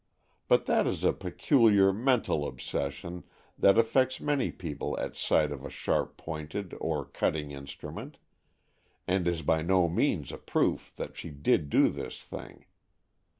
But that is a peculiar mental obsession that affects many people at sight of a sharp pointed or cutting instrument, and is by no means a proof that she did do this thing.